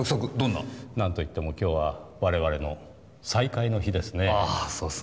何といっても今日は我々の再会の日ですね。